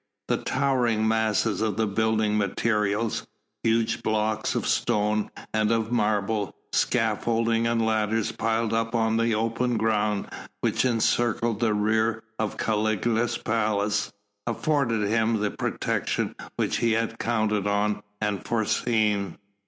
The towering masses of building materials, huge blocks of stone and of marble, scaffoldings and ladders piled up on the open ground which encircled the rear of Caligula's palace, afforded him the protection which he had counted on and foreseen.